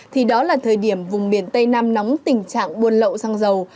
thì đó là thời điểm vùng biển tây nam nóng tình trạng buôn lậu sang dầu